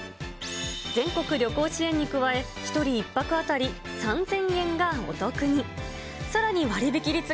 全国旅行支援に加え、１人１泊当たり３０００円がお得に。